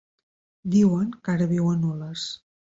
Diuen que ara viu a Nules.